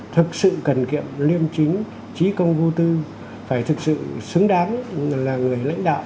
thực sự cần kiệm liêm chính trí công vô tư phải thực sự xứng đáng là người lãnh đạo